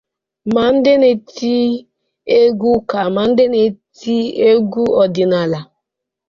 ma ndị na-eti egwu ụka ma ndị egxu ọdịnala.